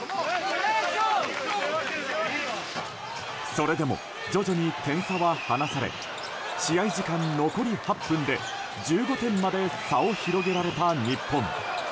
それでも徐々に点差は離され試合時間残り８分で１５点まで差を広げられた日本。